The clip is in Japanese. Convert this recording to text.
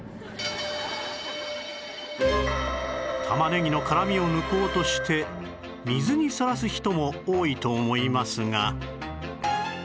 玉ねぎの辛みを抜こうとして水にさらす人も多いと思いますが